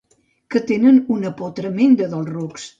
Que tenen una por tremenda dels rucs.